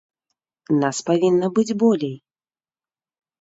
Нас павінна быць болей!